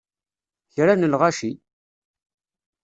Kra n lɣaci!